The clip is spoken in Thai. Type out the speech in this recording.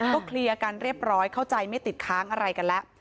ก็เคลียร์กันเรียบร้อยเข้าใจไม่ติดค้างอะไรกันแล้ว